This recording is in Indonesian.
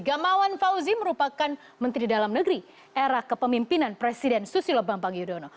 gamawan fauzi merupakan menteri dalam negeri era kepemimpinan presiden susilo bambang yudhoyono